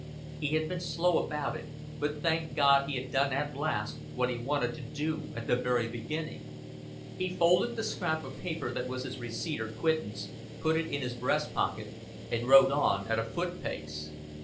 He had been slow about it; but, thank God, he had done at last what he wanted to do at the very beginning. He folded the scrap of paper that was his receipt or quittance, put it in his breast pocket, and rode on at a foot pace.